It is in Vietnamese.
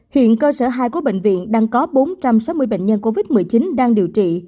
hiện cơ sở hai của bệnh viện đang có bốn trăm sáu mươi bệnh nhân covid một mươi chín đang điều trị